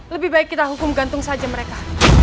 lebih baik kita hukum gantung saja mereka